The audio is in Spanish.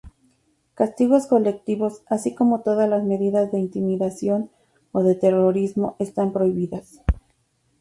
Castigos colectivos, así como todas las medidas de intimidación o de terrorismo están prohibidas.